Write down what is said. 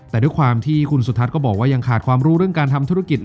แต่ด้วยความที่คุณสุทัศน์ก็บอกว่ายังขาดความรู้เรื่องการทำธุรกิจ